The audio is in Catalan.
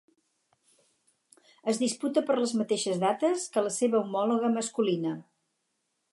Es disputa per les mateixes dates que la seva homòloga masculina.